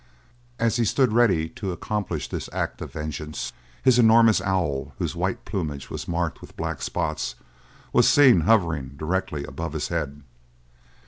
As he stood ready to accomplish this act of vengeance, his enormous owl, whose white plumage was marked with black spots, was seen hovering directly above his head.